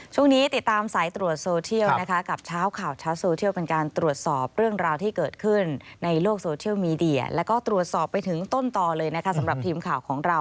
ช่วงนี้ติดตามสายตรวจโซเทียลนะคะกับเช้าข่าวเช้าโซเทียลเป็นการตรวจสอบเรื่องราวที่เกิดขึ้นในโลกโซเชียลมีเดียแล้วก็ตรวจสอบไปถึงต้นต่อเลยนะคะสำหรับทีมข่าวของเรา